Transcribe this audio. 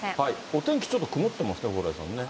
お天気、ちょっと曇ってますね、蓬莱さんね。